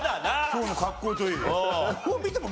今日の格好といい。